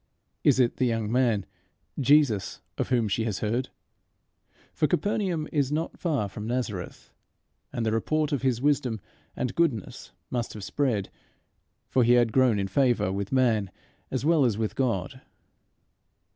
Is it the young man, Jesus, of whom she has heard? for Capernaum is not far from Nazareth, and the report of his wisdom and goodness must have spread, for he had grown in favour with man as well as with God.